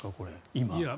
今。